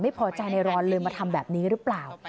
พอใจในรอนเลยมาทำแบบนี้หรือเปล่า